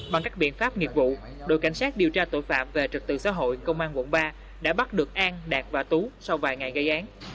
bằng các biện pháp nghiệp vụ đội cảnh sát điều tra tội phạm về trật tự xã hội công an quận ba đã bắt được an đạt và tú sau vài ngày gây án